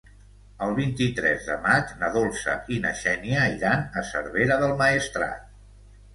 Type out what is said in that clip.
El vint-i-tres de maig na Dolça i na Xènia iran a Cervera del Maestrat.